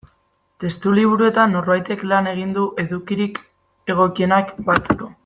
Testu liburuetan norbaitek lan egin du edukirik egokienak batzeko.